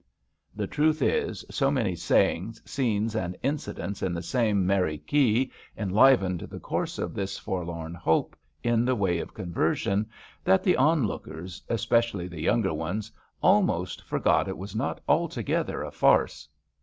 The truth is, so many sayings, scenes and incidents in the same merry key enlivened the course of this forlorn hope in the way of conversion, that the onlookers, especially the younger ones, almost forgot it was not altogether a farce.